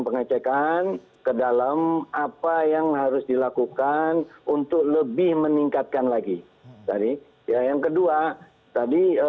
pengecekan ke dalam apa yang harus dilakukan untuk lebih meningkatkan lagi tadi ya yang kedua tadi